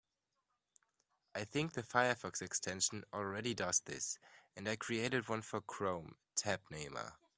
I think the Firefox extension already does this, and I created one for Chrome, Tab Namer.